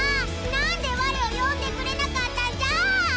何で我を呼んでくれなかったんじゃ！